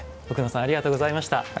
奥野さんありがとうございました。